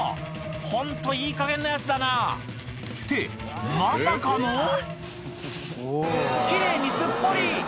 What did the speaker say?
ホントいいかげんなヤツだなってまさかの奇麗にすっぽり！